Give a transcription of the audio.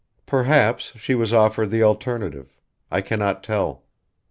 Perhaps she was offered the alternative, I cannot tell.